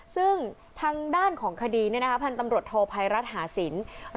ซึ่งทางด้านของคดีเนี่ยนะคะพันธุ์ตำรวจโทรภัยรัฐหาศิลป์